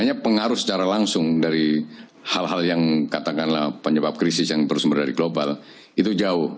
artinya pengaruh secara langsung dari hal hal yang katakanlah penyebab krisis yang bersumber dari global itu jauh